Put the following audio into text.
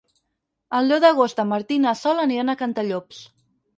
El deu d'agost en Martí i na Sol aniran a Cantallops.